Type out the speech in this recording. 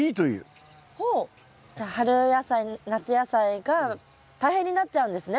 じゃあ春野菜夏野菜が大変になっちゃうんですね